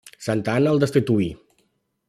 Santa Anna el destituí.